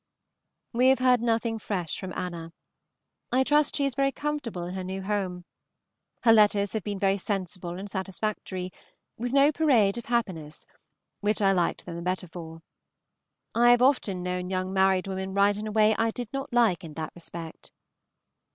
We have heard nothing fresh from Anna. I trust she is very comfortable in her new home. Her letters have been very sensible and satisfactory, with no parade of happiness, which I liked them the better for. I have often known young married women write in a way I did not like in that respect.